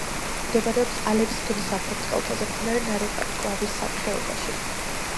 მდებარეობს ალევის ქედის სამხრეთ კალთაზე, მდინარე ნარეკვავის ხეობაში.